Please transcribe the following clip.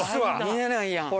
見えないやん。